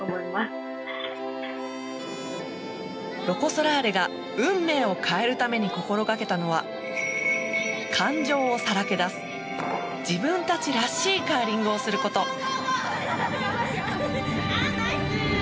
ロコ・ソラーレが運命を変えるために心がけたのは感情をさらけ出す自分たちらしいカーリングをすること。